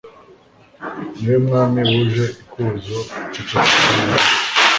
ni we mwami wuje ikuzo guceceka akanya gato